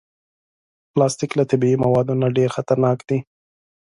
پلاستيک له طبعي موادو نه ډېر خطرناک دی.